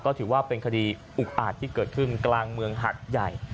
ก็ถือว่าเป็นคดีอุกอาจที่เกิดขึ้นกลางเมืองหัดใหญ่